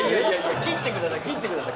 切ってください、切ってください。